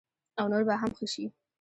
او نور به هم ښه شي.